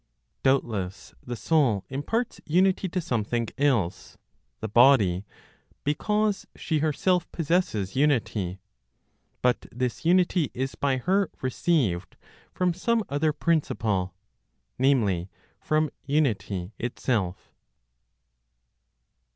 Doubtless the soul imparts unity to something else (the body), because she herself possesses unity; but this unity is by her received from some other principle (namely, from unity itself).